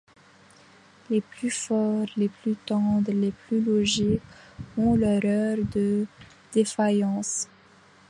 Les plus forts, les plus tendres, les plus logiques ont leurs heures de défaillance.